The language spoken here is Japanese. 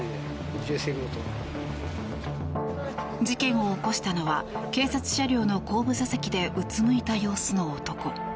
事件を起こしたのは警察車両の後部座席でうつむいた様子の男。